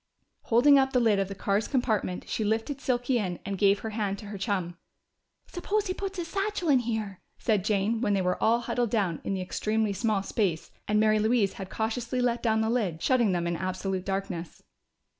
Holding open the lid of the car's compartment she lifted Silky in and gave her hand to her chum. "Suppose he puts his satchel in here," said Jane, when they were all huddled down in the extremely small space and Mary Louise had cautiously let down the lid, shutting them in absolute darkness.